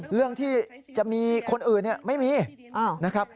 เรื่องที่จะมีคนอื่นไม่มีนะครับ